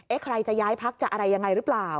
ใครจะย้ายพักจะอะไรยังไงหรือเปล่า